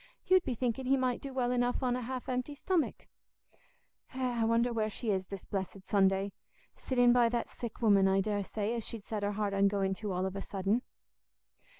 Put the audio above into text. You'd be thinking he might do well enough on a half empty stomach.' Eh, I wonder where she is this blessed Sunday! Sitting by that sick woman, I daresay, as she'd set her heart on going to all of a sudden."